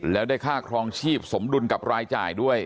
แล้วได้ค่าครองชีพสมดุลกับรายจ่ายด้วย